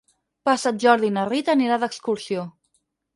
Per Sant Jordi na Rita anirà d'excursió.